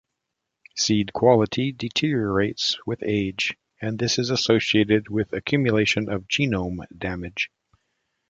Seed quality deteriorates with age, and this is associated with accumulation of genome damage.